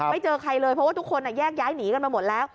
เจอใครเลยเพราะว่าทุกคนแยกย้ายหนีกันมาหมดแล้ว